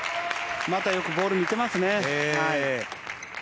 またよくボールを見てますね。